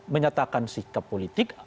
menyatakan sikap politik